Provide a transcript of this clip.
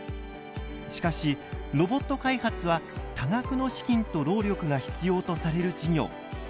しかしロボット開発は多額の資金と労力が必要とされる事業。